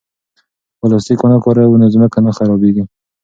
که پلاستیک ونه کاروو نو ځمکه نه خرابېږي.